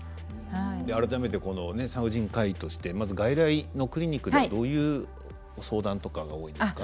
改めてこのね産婦人科医としてまず外来のクリニックではどういう相談とかが多いんですか？